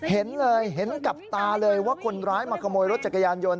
เห็นเลยเห็นกับตาเลยว่าคนร้ายมาขโมยรถจักรยานยนต